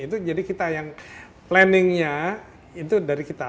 itu jadi kita yang planning nya itu dari kita